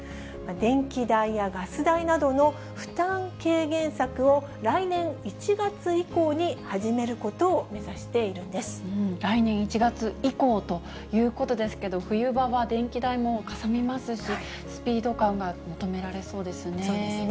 電気代やガス代などの負担軽減策を来年１月以降に始めることを目来年１月以降ということですけど、冬場は電気代もかさみますし、スピード感が求められそうでそうですね。